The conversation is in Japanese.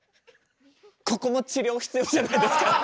ここも治療必要じゃないですか？